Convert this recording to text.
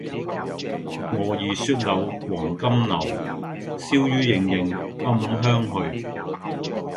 蛾兒雪柳黃金縷，笑語盈盈暗香去